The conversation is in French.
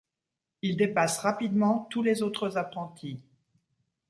Il dépasse rapidement tous les autres apprentis.